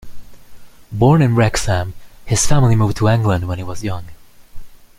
Born in Wrexham, his family moved to England when he was young.